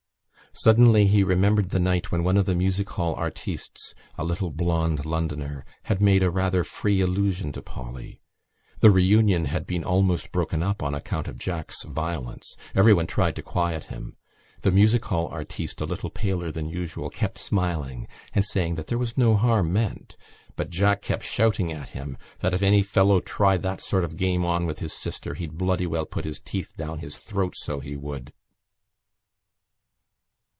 Suddenly he remembered the night when one of the music hall artistes, a little blond Londoner, had made a rather free allusion to Polly. The reunion had been almost broken up on account of Jack's violence. Everyone tried to quiet him. The music hall artiste, a little paler than usual, kept smiling and saying that there was no harm meant: but Jack kept shouting at him that if any fellow tried that sort of a game on with his sister he'd bloody well put his teeth down his throat, so he would.